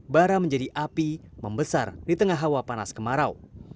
bara menjadi api membesar di tengah hawa panas kemarau